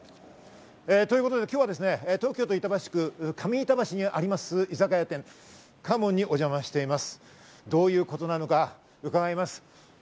ということで今日はですね、東京都板橋区上板橋にあります、居酒屋店・花門にお邪魔しています。